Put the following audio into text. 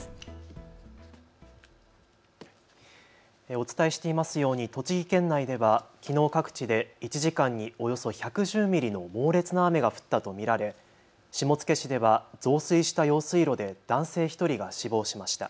お伝えしていますように栃木県内ではきのう各地で１時間におよそ１１０ミリの猛烈な雨が降ったと見られ、下野市では増水した用水路で男性１人が死亡しました。